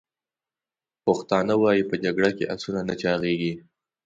پښتانه وایي: « په جګړه کې اسونه نه چاغیږي!»